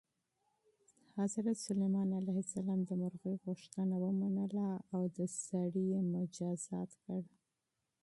سلیمان علیه السلام د مرغۍ غوښتنه ومنله او سړی یې مجازات کړ.